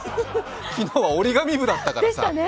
昨日は折り紙部だったから。